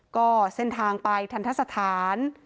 ก็เส้นทางไปทันทสถาน